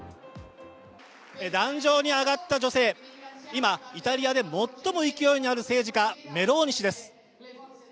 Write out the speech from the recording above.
壇上に上がった女性、今、イタリアで最も勢いのある政治家メローニ氏です。